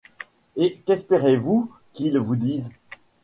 Et qu'espérez-vous qu'il vous dise ?